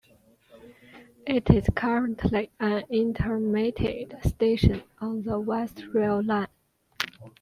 It is currently an intermediate station on the West Rail Line.